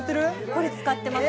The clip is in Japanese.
これ使ってます